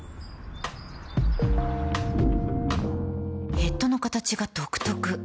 ヘッドの形が独特